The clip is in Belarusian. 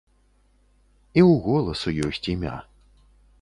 І ў голасу ёсць імя.